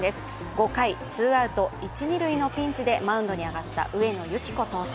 ５回、ツーアウト、一・二塁のピンチでマウンドに上がった上野由岐子選手。